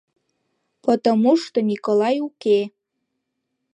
Потомушто Николай уке.